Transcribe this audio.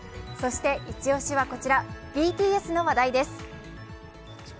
イチ押しはこちら、ＢＴＳの話題です。